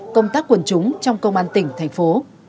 công tác quần chúng trong công an tỉnh thành phố